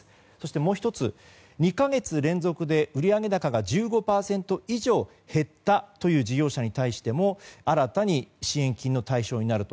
もう１つ、２か月連続で売上高が１５％以上減ったという事業者に対しても新たに支援金の対象になると。